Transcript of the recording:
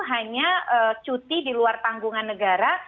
hanya cuti di luar tanggungan negara